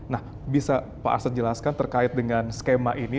nah bisa pak arsad jelaskan terkait dengan skema ini